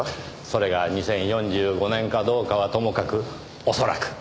それが２０４５年かどうかはともかく恐らく。